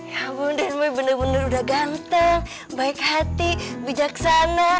ya ampun dan boy bener bener udah ganteng baik hati bijaksana